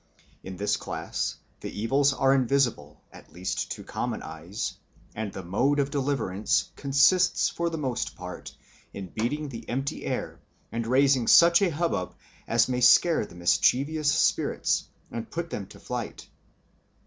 In this class the evils are invisible, at least to common eyes, and the mode of deliverance consists for the most part in beating the empty air and raising such a hubbub as may scare the mischievous spirits and put them to flight.